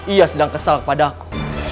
ia sedang kesal kepada aku